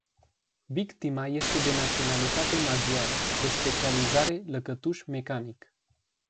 Victima este de naționalitate maghiară, de specializare lăcătuș mecanic.